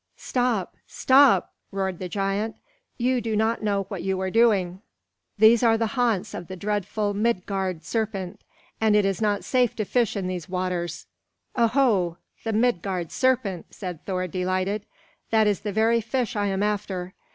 "Stop! stop!" roared the giant. "You do not know what you are doing. These are the haunts of the dreadful Midgard serpent, and it is not safe to fish in these waters." "Oho! The Midgard serpent!" said Thor, delighted. "That is the very fish I am after.